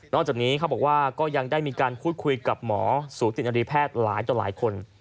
จากนี้เขาบอกว่าก็ยังได้มีการพูดคุยกับหมอสูตินรีแพทย์หลายต่อหลายคน